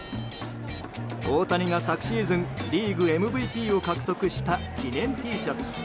大谷が昨シーズンリーグＭＶＰを獲得した記念Ｔシャツ。